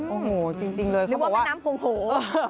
โอ้โหจริงเลยเขาบอกว่าหรือว่ามันน้ำโหงโห